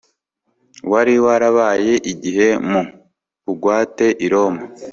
wari warabaye igihe mu bugwate i roma